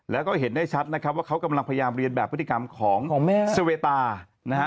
แล้วก็เห็นได้ชัดนะครับว่าเขากำลังพยายามเรียนแบบพฤติกรรมของแม่สเวตานะฮะ